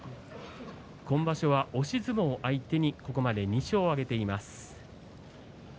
今場所は押し相撲相手にここまで２勝を挙げています。